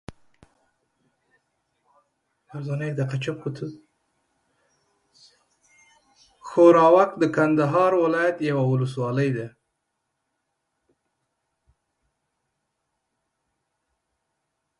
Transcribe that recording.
ښوراوک د کندهار ولايت یوه اولسوالي ده.